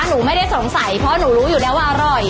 หนูไม่ได้สงสัยเพราะหนูรู้อยู่แล้วว่าอร่อย